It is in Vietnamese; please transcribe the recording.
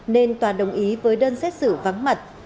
nên tòa đồng ý với đơn xét xử vắng mặt